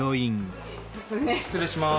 失礼します。